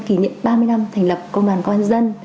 kỷ niệm ba mươi năm thành lập công đoàn công an nhân dân